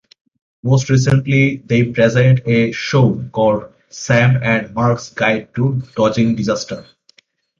Most recently they present a show called "Sam and Mark's Guide to Dodging Disaster".